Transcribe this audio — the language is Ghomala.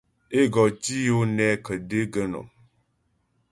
É go tǐ yo nɛ kə̀dé gə̀nɔ́m.